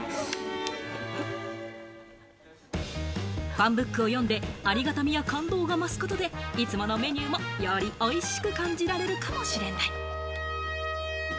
ファンブックを読んで、ありがたみや感動が増すことで、いつものメニューもよりおいしく感じられるかもしれない。